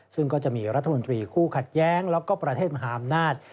ซึ่งก็จะมีรัฐมนตรีคู่ขัดแย้งแล้วก็ประเทศมหาอำนาจ